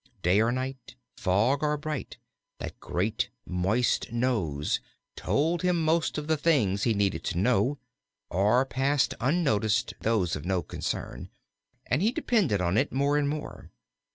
Day or night, fog or bright, that great, moist nose told him most of the things he needed to know, or passed unnoticed those of no concern, and he depended on it more and more.